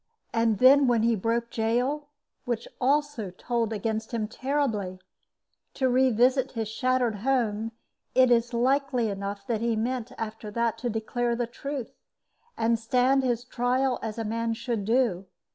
And then when he broke jail which also told against him terribly to revisit his shattered home, it is likely enough that he meant after that to declare the truth, and stand his trial as a man should do.